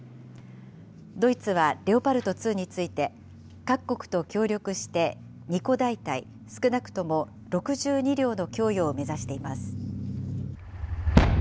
ドイツはレオパルト２について、各国と協力して、２個大隊、少なくとも６２両の供与を目指しています。